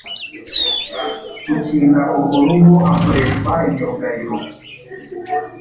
Gukinga urwo rugo hakoreshwa imyugariro.